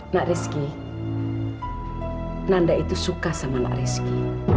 narizky nanda itu suka sama narizky